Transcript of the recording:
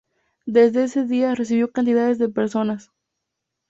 Desde ese día recibió cantidad de personas.